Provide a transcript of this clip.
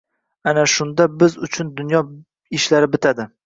Ana shunda biz uchun dunyo ishlari bitadi.